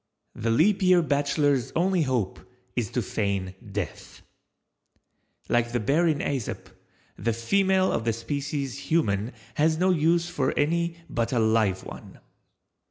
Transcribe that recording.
The Leap Year Bachelor's only hope is to feign death. Like the Bear in Æsop, the Female of the Species Human has no use for any but a "live one."